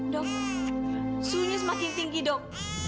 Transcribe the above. dok suhunya semakin tinggi dok